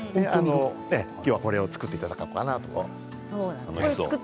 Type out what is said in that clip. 今日は、これを作っていただこうかなと思います。